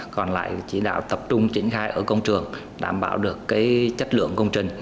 còn lại chỉ đạo tập trung triển khai ở công trường đảm bảo được chất lượng công trình